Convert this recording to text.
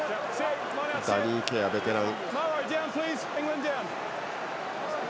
ダニー・ケアー、ベテラン。